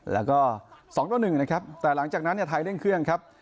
แล้วก็๒ต่อ๑นะครับแต่หลังจากนั้นเนี่ยไทยเร่งเครื่องครับ